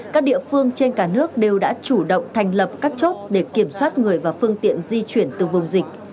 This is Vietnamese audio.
các địa phương trên cả nước đều đã chủ động thành lập các chốt để kiểm soát người và phương tiện di chuyển từ vùng dịch